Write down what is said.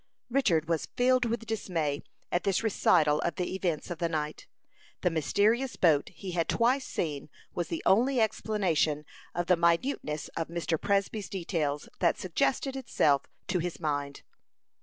Richard was filled with dismay at this recital of the events of the night. The mysterious boat he had twice seen was the only explanation of the minuteness of Mr. Presby's details that suggested itself to his mind.